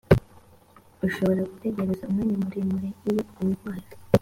ushobora gutegereza umwanya muremure iyo indwara